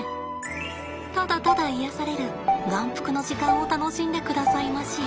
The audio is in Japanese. ただただ癒やされる眼福の時間を楽しんでくださいまし。